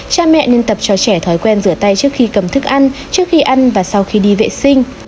cha mẹ nên tập cho trẻ thói quen rửa tay trước khi cầm thức ăn trước khi ăn và sau khi đi vệ sinh